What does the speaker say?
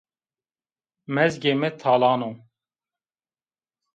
Mezgê mi talan o